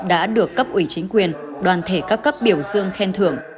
đã được cấp ủy chính quyền đoàn thể các cấp biểu dương khen thưởng